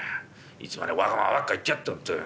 いつまでもわがままばっか言ってやって本当よ。